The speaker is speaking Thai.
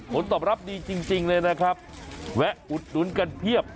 ผลตอบรับดีจริงเลยนะครับแวะอุดหนุนกันเพียบ